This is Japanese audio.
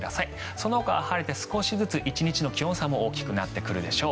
そのほかは晴れて少しずつ１日の気温差も大きくなってくるでしょう。